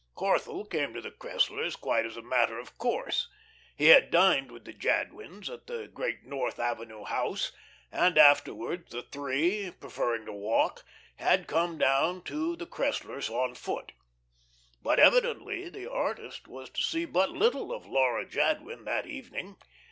Corthell came to the Cresslers quite as a matter of course. He had dined with the Jadwins at the great North Avenue house and afterwards the three, preferring to walk, had come down to the Cresslers on foot. But evidently the artist was to see but little of Laura Jadwin that evening.